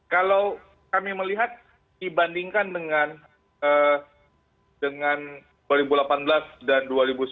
kalau kami melihat dibandingkan dengan dua ribu delapan belas dan dua ribu sembilan belas dua ribu dua puluh